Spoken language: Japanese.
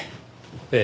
ええ。